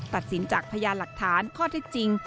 ตัดสินจากพยานหลักฐานข้อเท็จจริง